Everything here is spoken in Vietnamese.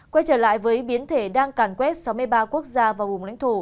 quay trở lại với biến thể đang càn quét sáu mươi ba quốc gia và vùng lãnh thổ